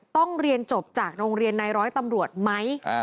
ต้องเรียนจบจากโรงเรียนในร้อยตำรวจไหม